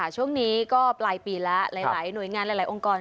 ช่วงนี้ก็ปลายปีแล้วหลายหน่วยงานหลายองค์กร